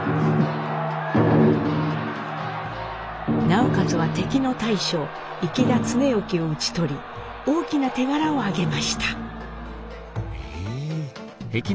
直勝は敵の大将池田恒興を討ち取り大きな手柄をあげました。